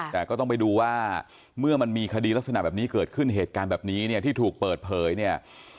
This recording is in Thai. แต่ก็ต้องไปดูว่าเมื่อมันมีคดีลักษณะแบบนี้เกิดขึ้นเหตุการณ์แบบนี้เนี่ยที่ถูกเปิดเผยเนี่ย